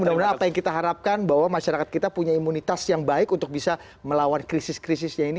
mudah mudahan apa yang kita harapkan bahwa masyarakat kita punya imunitas yang baik untuk bisa melawan krisis krisisnya ini